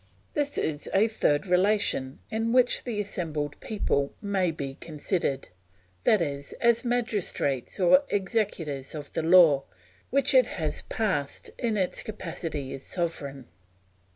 This is a third relation in which the assembled people may be considered, i.e., as magistrates or executors of the law which it has passed in its capacity as sovereign.